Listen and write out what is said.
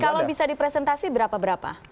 kalau bisa dipresentasi berapa berapa